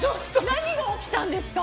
何が起きたんですか。